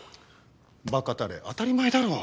バカタレ当たり前だろう。